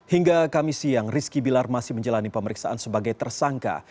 hingga kamis siang rizky bilar masih menjalani pemeriksaan sebagai tersangka